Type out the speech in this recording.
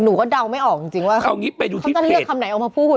หนูก็เดาไม่ออกจริงว่าเขาจะเลือกคำไหนเอามาพูด